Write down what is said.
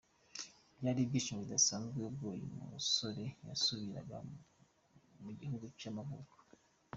Byari ibyishimo bidasanzwe ubwo uyu musore yasubiraga mugihugu cy’amavuko.